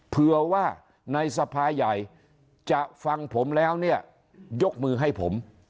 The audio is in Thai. เผื่อว่าในสภาใหญ่จะฟังผมแล้วเนี่ยยกมือให้ผม